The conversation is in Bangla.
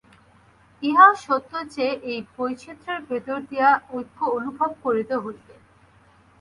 ইহাও সত্য যে, এই বৈচিত্র্যের ভিতর দিয়া ঐক্য অনুভব করিতে হইবে।